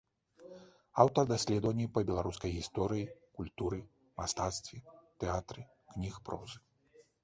Аўтар даследаванняў па беларускай гісторыі, культуры, мастацтве, тэатры, кніг прозы.